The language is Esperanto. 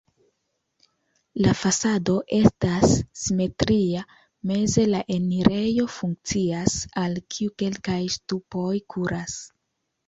La fasado estas simetria, meze la enirejo funkcias, al kiu kelkaj ŝtupoj kuras.